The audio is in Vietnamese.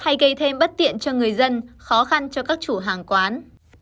hay gây thêm bất tiện cho người dân khó khăn cho các chủ hàng quán